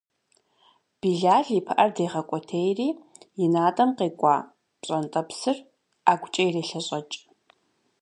Билал и пыӏэр дрегъэкӏуэтейри и натӏэм къекӏуа пщӏантӏэпсыр ӏэгукӏэ ирелъэщӏэкӏ.